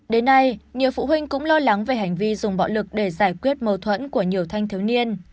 đến nay nhiều phụ huynh cũng lo lắng về hành vi dùng bạo lực để giải quyết mâu thuẫn của nhiều thanh thiếu niên